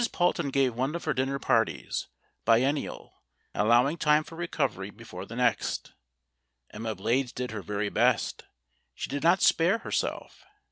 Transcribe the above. Palton gave one of her dinner parties bien nial, allowing time for recovery before the next. Emma Blades did her very best. She did not spare herself.